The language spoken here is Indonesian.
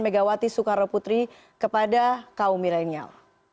megawati soekarno putri kepada kaum milenial